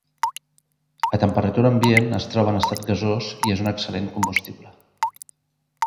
A temperatura ambient es troba en estat gasós i és un excel·lent combustible.